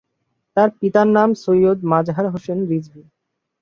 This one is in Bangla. তার পিতার নাম সৈয়দ মাজহার হোসেন রিজভী।